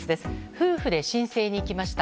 夫婦で申請に行きました。